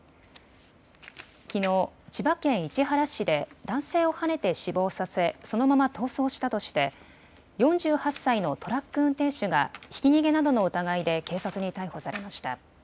きのう千葉県市原市で男性をはねて死亡させそのまま逃走したとして４８歳のトラック運転手がひき逃げなどの疑いで警察に逮捕されました。